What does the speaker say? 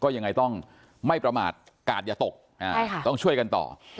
ยังไงต้องไม่ประมาทกาดอย่าตกต้องช่วยกันต่อ